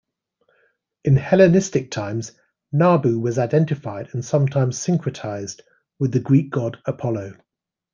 In Hellenistic times, Nabu was identified, and sometimes syncretized, with the Greek god Apollo.